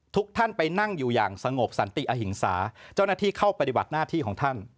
ทุกท่านไปนั่งอยู่อย่างสงบสันติอหิงสาเจ้าหน้าที่เข้าปฏิบัติหน้าที่ของท่าน